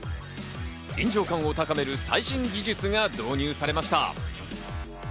臨場感を高める最新技術が導入されました。